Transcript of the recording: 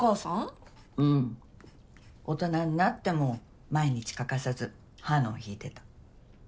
大人になっても毎日欠かさずハノン弾いてた。